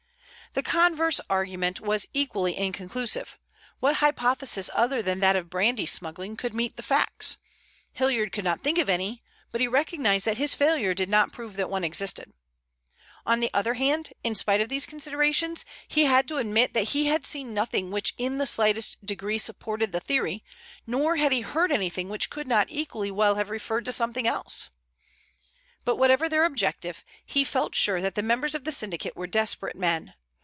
The converse argument was equally inconclusive. What hypothesis other than that of brandy smuggling could meet the facts? Hilliard could not think of any, but he recognized that his failure did not prove that none existed. On the other hand, in spite of these considerations, he had to admit that he had seen nothing which in the slightest degree supported the theory, nor had he heard anything which could not equally well have referred to something else. But whatever their objective, he felt sure that the members of the syndicate were desperate men.